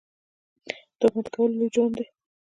تهمت کول لوی جرم دی